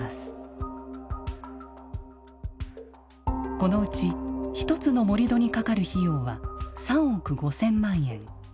このうち１つの盛土にかかる費用は３億５，０００万円。